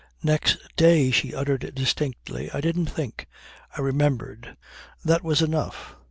"Next day," she uttered distinctly, "I didn't think. I remembered. That was enough.